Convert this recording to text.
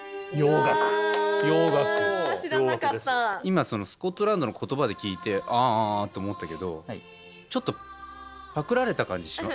今そのスコットランドの言葉で聴いて「あ」って思ったけどちょっとパクられた感じします。